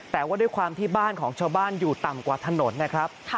แต่ว่าด้วยความที่บ้านของชาวบ้านอยู่ต่ำกว่าถนนนะครับ